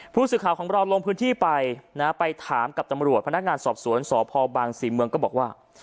ผู้สื่อข่าวของเราลงพื้นที่ไปนะไปถามกับตำรวจพนักงานสอบสวนสพบางศรีเมืองก็บอกว่า